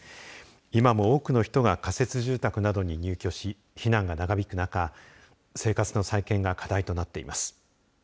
今も多くの人が仮設住宅などに入居し避難が長引く中、生活の再建が課題となっています。